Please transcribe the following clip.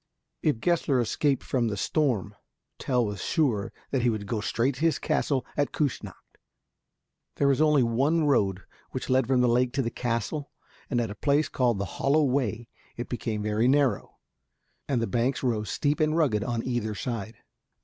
If Gessler escaped from the storm, Tell was sure that he would go straight to his castle at Küssnacht. There was only one road which led from the lake to the castle, and at a place called the Hollow Way it became very narrow, and the banks rose steep and rugged on either side.